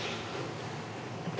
私？